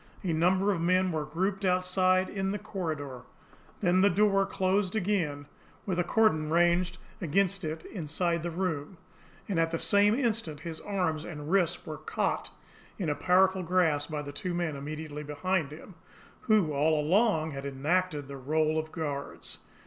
A number of men were grouped outside in the corridor, then the door closed again with a cordon ranged against it inside the room; and at the same instant his arms and wrists were caught in a powerful grasp by the two men immediately behind him, who all along had enacted the role of guards.